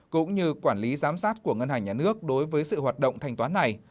cũng như quản lý giám sát của ngân hàng nhà nước đối với sự hoạt động thanh toán này